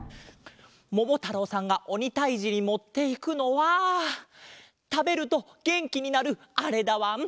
ももたろうさんがおにたいじにもっていくのはたべるとげんきになるあれだわん。